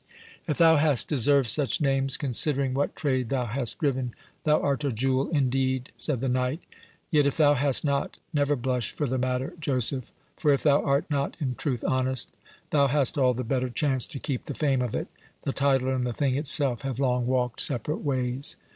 "If thou hast deserved such names, considering what trade thou hast driven, thou art a jewel indeed," said the knight; "yet if thou hast not, never blush for the matter, Joseph, for if thou art not in truth honest, thou hast all the better chance to keep the fame of it—the title and the thing itself have long walked separate ways.